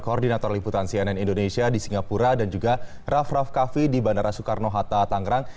koordinator liputan cnn indonesia di singapura dan juga raff raff kaffi di bandara soekarno hatta tangerang